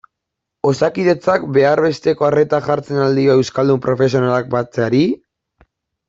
Osakidetzak behar besteko arreta jartzen al dio euskaldun profesionalak batzeari?